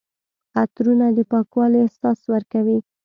عطرونه د پاکوالي احساس ورکوي.